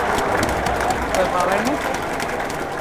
We bawer nekir.